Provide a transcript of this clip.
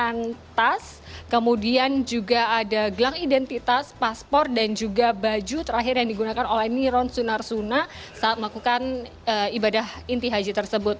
ada tas kemudian juga ada gelang identitas paspor dan juga baju terakhir yang digunakan oleh niron sunarsuna saat melakukan ibadah inti haji tersebut